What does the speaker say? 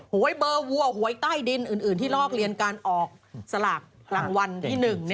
หวยเบอร์วัวหวยใต้ดินอื่นที่ลอกเรียนการออกสลากรางวัลที่๑